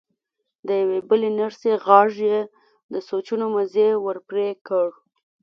د يوې بلې نرسې غږ يې د سوچونو مزی ور پرې کړ.